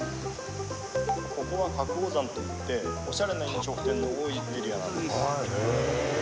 ここは覚王山といってオシャレな飲食店の多いエリアなんですああええ